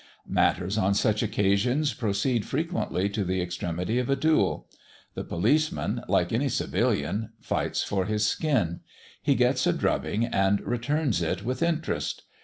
Matters, on such occasions, proceed frequently to the extremity of a duel. The policeman, like any civilian, fights for his skin; he gets a drubbing and returns it with interest.